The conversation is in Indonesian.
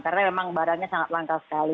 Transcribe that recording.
karena memang barangnya sangat langka sekali